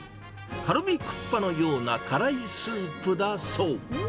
カルビクッパのような辛いスープだそう。